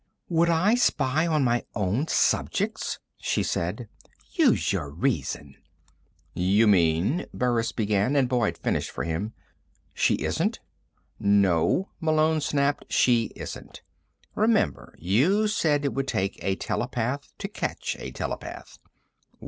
"Would I spy on my own subjects?" she said. "Use your reason!" "You mean...." Burris began, and Boyd finished for him: "... She isn't?" "No," Malone snapped. "She isn't. Remember, you said it would take a telepath to catch a telepath?"